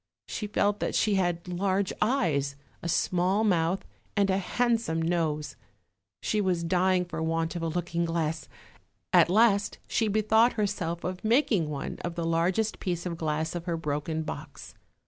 She felt that she had large eyes, a small mouth, and a handsome nose; she was dying for want of a looking glass. At last she bethought herself of making one of the largest piece of glass of her broken box.